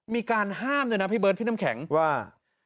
มีการห้ามด้วยนะพี่เบิร์ดพี่น้ำแข็งว่า